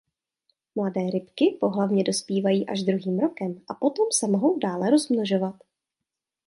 Mladé rybky pohlavně dospívají až druhým rokem a potom se mohou dále rozmnožovat.